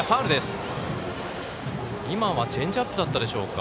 今はチェンジアップだったでしょうか。